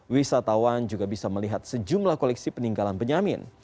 wisatawan juga bisa melihat sejumlah koleksi peninggalan benyamin